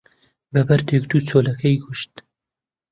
بە بەردێک دوو چۆلەکەی کوشت